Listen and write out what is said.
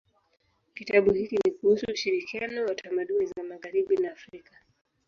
Kitabu hiki ni kuhusu ushirikiano wa tamaduni za magharibi na Afrika.